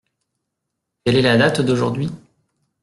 Quel est la date d’aujourd’hui ?